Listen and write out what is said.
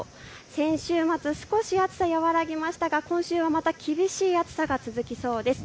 先週末、少し暑さ、和らぎましたが今週、また厳しい暑さが続きそうです。